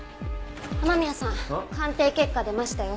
雨宮さん鑑定結果出ましたよ。